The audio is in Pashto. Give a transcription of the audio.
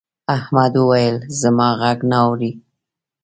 احمد وويل: زما غږ نه اوري.